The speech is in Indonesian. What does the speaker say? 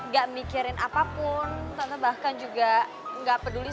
hus colin ada sekali lagi